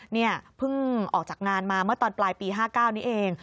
เพิ่งออกจากงานมาเมื่อตอนปลายปี๕๙นี้เอง